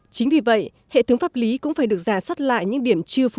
chính vì vậy hệ thống pháp lý cũng phải được giả sát lại những điểm chưa phủy